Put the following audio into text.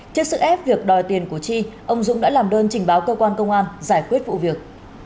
trước sức ép việc đòi tiền của chi ông dũng đã làm đơn trình báo cơ quan công an giải quyết vụ việc